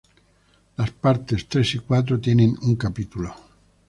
Las partes tres y cuatro tienen un capítulo.